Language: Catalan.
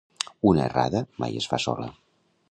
Una errada mai es fa sola.